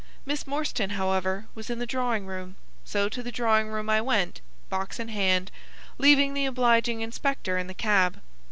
Miss Morstan, however, was in the drawing room: so to the drawing room I went, box in hand, leaving the obliging inspector in the cab.